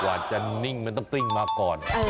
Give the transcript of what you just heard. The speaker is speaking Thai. กว่าจะนิ่งมันต้องกลิ้งมาก่อน